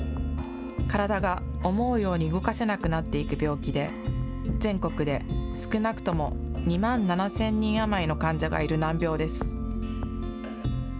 体が思うように動かせなくなっていく病気で、全国で少なくとも２万７０００人余りの患者がいる難病です。